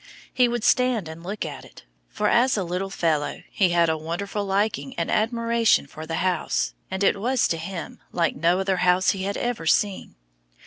He would stand and look at it, for as a little fellow he had a wonderful liking and admiration for the house, and it was, to him, like no other house he had ever seen.